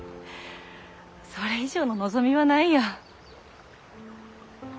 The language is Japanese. それ以上の望みはないや。